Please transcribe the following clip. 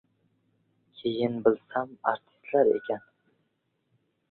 Keyin bilsam, artistlar ekan.